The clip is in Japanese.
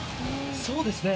そうですね。